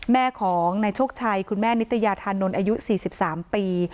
แม่ของนายโชคชัยคุณแม่นิตยาธานนท์อายุ๔๓ปี